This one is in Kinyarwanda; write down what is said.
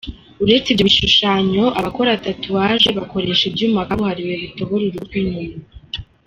Uretse ibyo bishushanyaho, abakora “tatouage” bakoresha ibyuma kabuhariwe bitobora uruhu rw’inyuma.